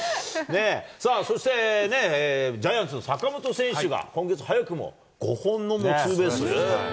さあ、そしてね、ジャイアンツの坂本選手が、今月、早くも５本のツーベース。